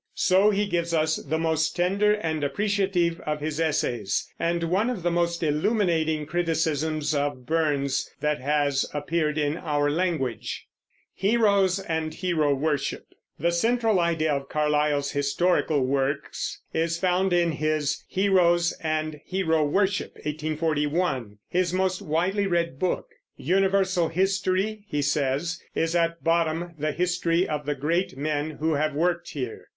So he gives us the most tender and appreciative of his essays, and one of the most illuminating criticisms of Burns that has appeared in our language. The central idea of Carlyle's historical works is found in his Heroes and Hero Worship (1841), his most widely read book. "Universal history," he says, "is at bottom the history of the great men who have worked here."